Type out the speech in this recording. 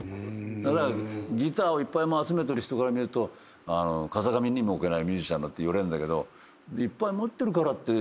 だからギターをいっぱい集めてる人から見ると風上にも置けないミュージシャンだって言われんだけど。